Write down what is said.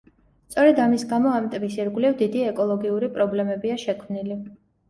სწორედ ამის გამო, ამ ტბის ირგვლივ დიდი ეკოლოგიური პრობლემებია შექმნილი.